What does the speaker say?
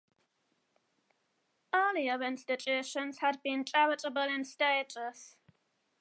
Earlier institutions had been charitable in status.